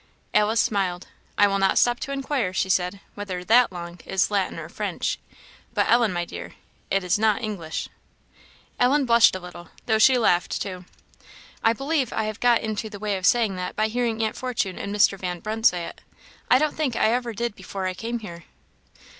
Alice smiled. "I will not stop to inquire," she said, "whether that long is Latin or French; but Ellen, my dear, it is not English." Ellen blushed a little, though she laughed too. "I believe I have got into the way of saying that by hearing Aunt Fortune and Mr. Van Brunt say it; I don't think I ever did before I came here."